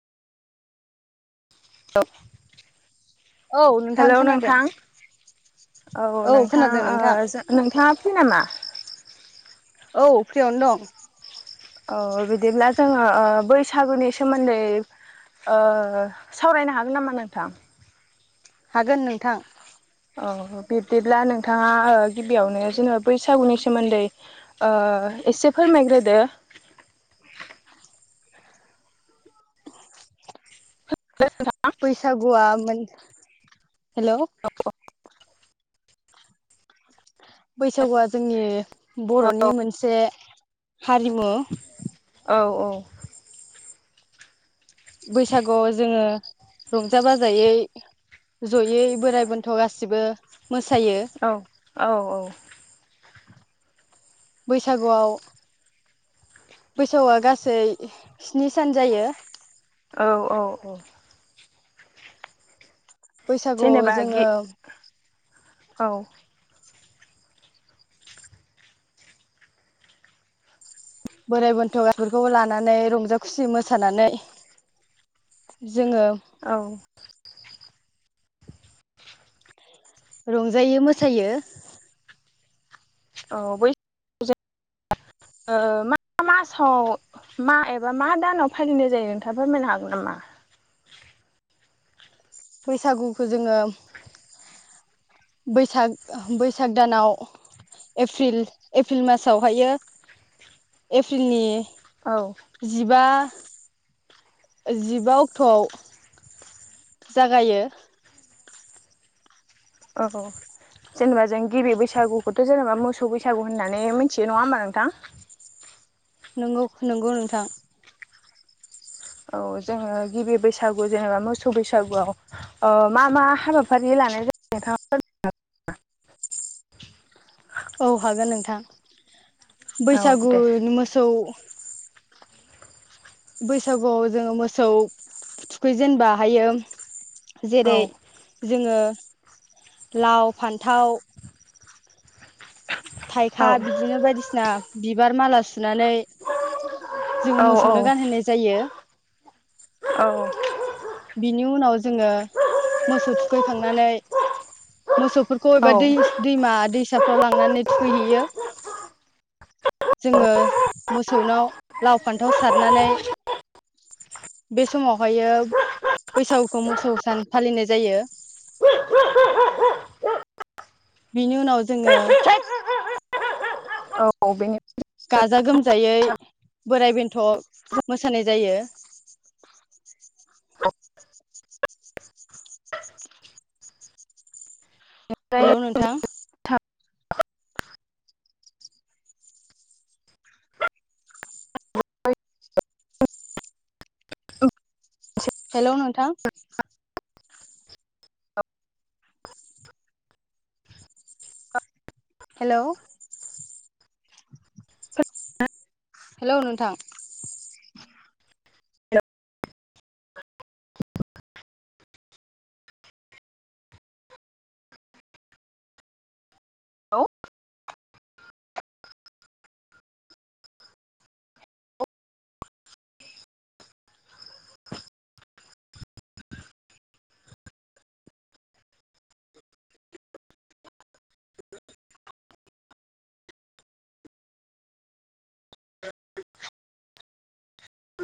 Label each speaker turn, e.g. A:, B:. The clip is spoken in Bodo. A: [unintelligible]
B: औ
A: हेलौ
B: खोनादों
A: नोंथां औ नोंथां नोंथाङा फ्रि नामा?
B: औ फ्रियावनो दं।
A: औ बिदिब्ला जोङो औ बैसागुनि सोमोन्दै ओ सावरायनो हागोन नामा नोंथां?
B: हागोन नोंथां।
A: औ बिब्दिब्ला नोंथाङा गिबियावनो जोङो बैसागुनि सोमोन्दै ओ एसे फोरमायग्रोदो। [unintelligible]
B: बैसागुआमोन हेल'
A: औ
B: बैसागुआ जोंनि बर'नि मोनसे हारिमु।
A: औ औ
B: बैसागुआव जोङो रंजा-बाजायै जयै बोराइ-बेन्थ' गासिबो मोसायो।
A: औ औ औ
B: बैसागुआव बैसागुआ गासै स्नि सान जायो।
A: औ औ औ
B: बैसागुआव
A: जेनेबा गि
B: जोङो।
A: औ
B: बोराइ बोनथ'फोरखौ लानानै रंजा खुसि मोसानानै जोङो
A: औ
B: रंजायो-मोसायो।
A: औ बै ओ मा मासाव मा एबा मा दानाव फालिनाय जायो नोंथाङा फोरमायनो हागोन नामा?
B: बैसागुखौ जोङो बैसाग बैसाग दानाव एप्रिल एप्रिल मासावहायो एप्रिलनि
A: औ
B: जिबा जिबा अक्ट'आव जागायो।
A: औ जेनेबा जों गिबि बैसागुखौथ' जेनेबा मोसौ बैसागु होननानै मिथियो नङा होमबा नोंथां।
B: नंगौ नंगौ नोंथां।
A: औ जोङो गिबि बैसागु जेनेबा मोसौ बैसागुआव ओ मा मा हाबाफारि लानाय जायो? नोंथांआ [unintelligible]
B: औ हागोन नोंथां।
A: औ
B: बैसागु
A: दे
B: मोसौ बैसागुआव जोङो मोसौ थुखै जेनेबा हायो
A: औ
B: जेरै जोङो लाव-फान्थाव
A: औ
B: थाइखा बिदिनो बायदिसिना बिबार माला सुनानै जोङो मोसौनो गानहोनाय जायो।
A: औ
B: बिनि उनाव जोङो मोसौ थुखैखांनानै मोसौ बेफोरखौ
A: औ
B: एबा दै दैमा-दैसाफ्राव लांनानै थुखैहैयो। जोङो मोसौनाव लाव-फान्थाव सारनानै बे समावहायो बैसागुखौ मोसौ सान फालिनाय जायो। बिनि उनाव जोङो
A: औ बे-
B: गाजा-गोमजायै बोराय-बेन्थ' मोसानाय जायो। हेल' नोंथां। हेल' नोंथां हेल' हेल' नोंथां।
A: हेलौ [inaudible] औ